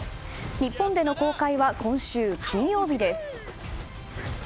日本での公開は今週金曜日です。